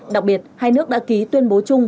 đặc biệt hai nước đã ký tuyên bố chung